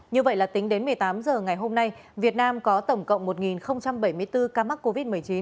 như vậy là tính đến một mươi tám h ngày hôm nay việt nam có tổng cộng một bảy mươi bốn ca mắc covid một mươi chín